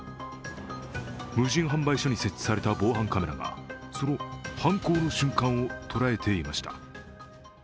無人販売所に設置された防犯カメラがその犯行の瞬間を捉えていました。